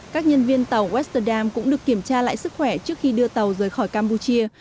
các nhân viên tàu westerdam cũng được kiểm tra lại sức khỏe trước khi đưa tàu rời khỏi campuchia